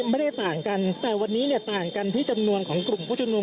ไม่ได้ต่างกันแต่วันนี้เนี่ยต่างกันที่จำนวนของกลุ่มผู้ชุมนุม